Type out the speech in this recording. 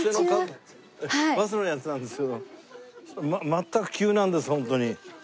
まったく急なんですホントに。